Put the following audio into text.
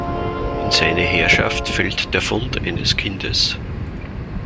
In seine Herrschaft fällt der Fund eines Kindes.